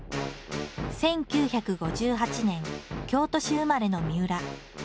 １９５８年京都市生まれのみうら。